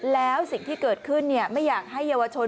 แล้วสิ่งที่เกิดขึ้นไม่อยากให้เยาวชน